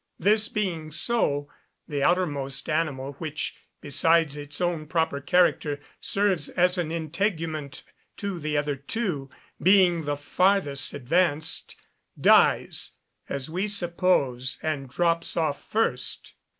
This being so, the outermost animal, which, besides its own proper character, serves as an integument to the other two, being the farthest advanced, dies, as we suppose, and drops off first.